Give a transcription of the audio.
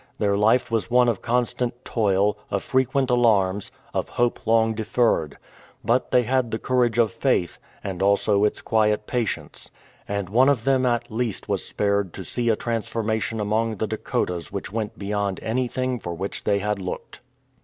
Their life was one of constant toil, of frequent alarms, of hope long de ferred. But they had the courage of faith, and also its quiet patience. And one of them at least was spared to see a transformation among the Dakotas which went beyond anything for which they had looked.